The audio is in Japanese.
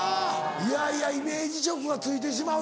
いやいやイメージ色がついてしまうっていうのは。